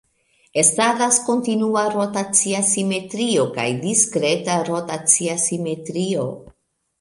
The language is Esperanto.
Estadas kontinua rotacia simetrio kaj diskreta rotacia simetrio.